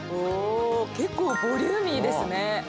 結構ボリューミーですね。